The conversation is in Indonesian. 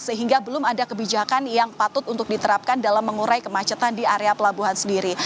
sehingga belum ada kebijakan yang patut untuk diterapkan dalam mengurai kemacetan di area pelabuhan sendiri